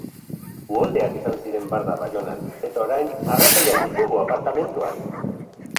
Uholdeak izan ziren barda Baionan eta orain arratoinak ditugu apartamentuan!